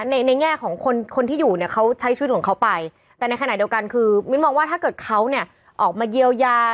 ในในแง่ของคนคนที่อยู่เนี่ยเขาใช้ชีวิตของเขาไปแต่ในขณะเดียวกันคือมิ้นมองว่าถ้าเกิดเขาเนี่ยออกมาเยียวยา